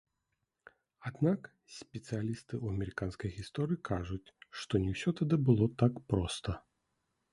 Аднак спецыялісты ў амерыканскай гісторыі кажуць, што не ўсё тады было так проста.